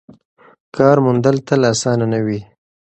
کار موندل تل اسانه نه وي.